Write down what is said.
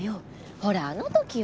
ほらあの時よ！